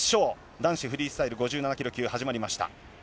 男子フリースタイル５７キロ級始まりました。